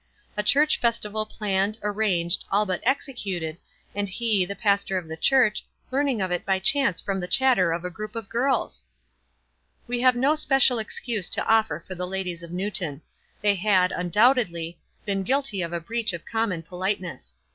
A church festival planned, arranged, all but executed, and he, the pastor of the church, learning of it by chance from the chatter of a group of girls ! We have no special excuse to offer for tho ladies of Newton. They had, undoubte^V WISE AND OTHERWISE. 45 been guilty of a breach of common politeness.